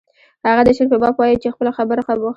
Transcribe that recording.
هغه د شعر په باب وایی چې خپله خبره کوم